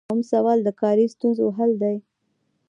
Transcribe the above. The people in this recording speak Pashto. ایاتیام سوال د کاري ستونزو حل دی.